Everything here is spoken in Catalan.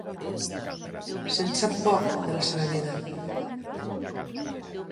Se'n sap poc, de la seva vida.